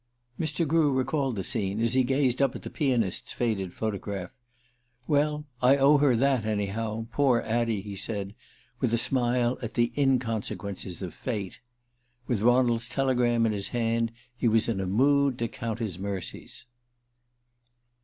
Mr. Grew recalled the scene as he gazed up at the pianist's faded photograph. "Well, I owe her that anyhow poor Addie!" he said, with a smile at the inconsequences of fate. With Ronald's telegram in his hand he was in a mood to count his mercies.